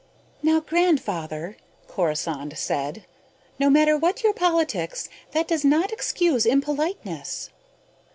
"Now, Grandfather," Corisande said, "no matter what your politics, that does not excuse impoliteness."